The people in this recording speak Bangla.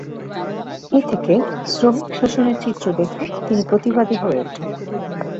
এ থেকে শ্রমিক শোষণের চিত্র দেখে তিনি প্রতিবাদী হয়ে ওঠেন।